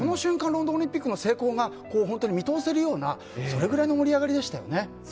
ロンドンオリンピックの成功が見通せるようなそれぐらいの盛り上がりでしたね。